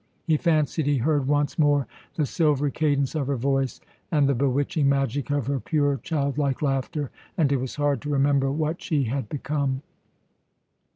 He fancied he heard once more the silvery cadence of her voice and the bewitching magic of her pure, childlike laughter, and it was hard to remember what she had become.